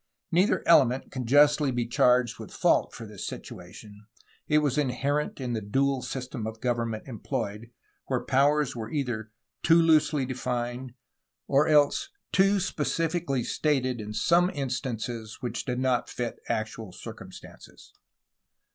Neither element can justly be charged with fault for this situation; it was inherent in the dual system of government employed, where powers were either too loosely defined, or else too specifically stated in some instances which did not fit actual circumstances.